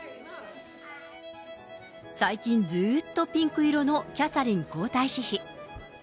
最近、ずっとピンク色のキャサリン皇太子妃。